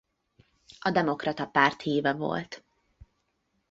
A Demokrata Párt híve volt.